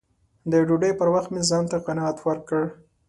د ډوډۍ پر وخت مې ځان ته قناعت ورکړ